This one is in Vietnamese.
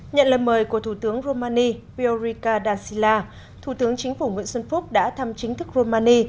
nhận lời mời của thủ tướng romani viorica dacila thủ tướng chính phủ nguyễn xuân phúc đã thăm chính thức romani